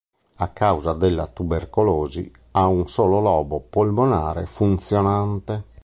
A causa della tubercolosi ha un solo lobo polmonare funzionante.